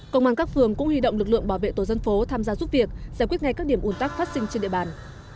công an các phường cũng huy động lực lượng bảo vệ tổ dân phố tham gia giúp việc giải quyết ngay các điểm ủn tắc phát sinh trên địa bàn